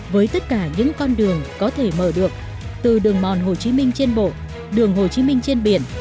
với tất cả những con đường có thể mở được từ đường mòn hồ chí minh trên bộ đường hồ chí minh trên biển